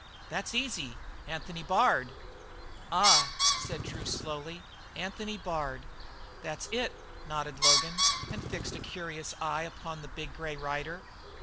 "That's easy. Anthony Bard." "Ah," said Drew slowly, "Anthony Bard!" "That's it," nodded Logan, and fixed a curious eye upon the big grey rider.